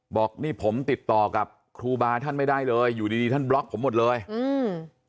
บอกนี่ผมติดต่อกับครูบาท่านไม่ได้เลยอยู่ดีดีท่านบล็อกผมหมดเลยอืม